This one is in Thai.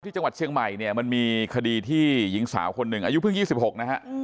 จังหวัดเชียงใหม่เนี่ยมันมีคดีที่หญิงสาวคนหนึ่งอายุเพิ่ง๒๖นะฮะ